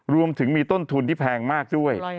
รวมถึงมีต้นทุนที่แพงมากด้วย